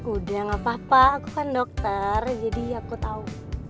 udah gak apa apa aku kan dokter jadi aku tahu